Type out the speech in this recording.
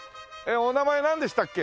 お名前なんでしたっけ？